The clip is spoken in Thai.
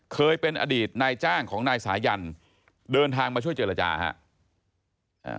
เคยเป็นอดีตนายจ้างของนายสายันเดินทางมาช่วยเจรจาฮะ